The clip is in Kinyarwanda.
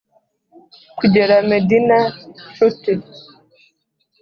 kugera medina, nshuti?